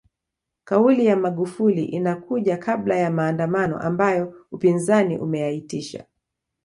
Kauli ya Magufuli inakuja kabla ya maandamano ambayo upinzani umeyaitisha